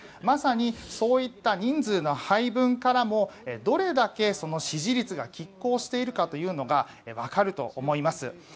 まさにそういった人数の配分からもどれだけその支持率が拮抗しているかというのが分かると思います。